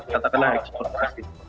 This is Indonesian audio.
katakanlah ekspor pasir